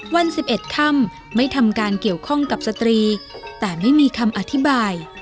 วัน๑๑ค่ำไม่ทำการเกี่ยวข้องกับสตรีแต่ไม่มีคำอธิบาย